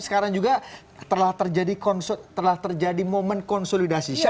sekarang juga telah terjadi momen konsolidasi